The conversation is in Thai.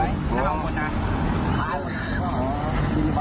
ต่อประตูนี้